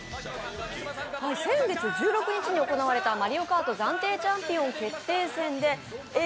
先月１６日に行われた「マリオカート」暫定チャンピオン決定戦でＡぇ！